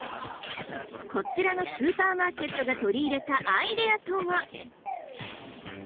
こちらのスーパーマーケットが取り入れたアイデアとは。